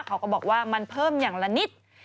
เขาก็บอกว่ามันเพิ่มอย่างละนิด